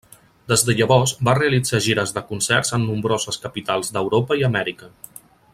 Des de llavors va realitzar gires de concerts en nombroses capitals d'Europa i Amèrica.